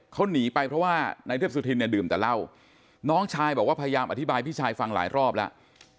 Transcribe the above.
เขาหนีไปเพราะว่านายเทพสุธินเนี่ยดื่มแต่เหล้าน้องชายบอกว่าพยายามอธิบายพี่ชายฟังหลายรอบแล้ว